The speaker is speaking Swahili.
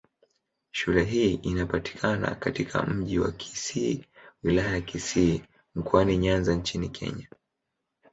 Shule hii inapatikana katika Mji wa Kisii, Wilaya ya Kisii, Mkoani Nyanza nchini Kenya.